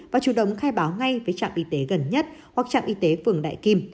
và chủ động khai báo ngay với trạm y tế gần nhất hoặc trạm y tế phường đại kim